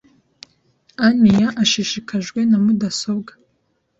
Ania ashishikajwe na mudasobwa .